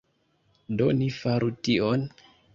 Do, ni faru tion!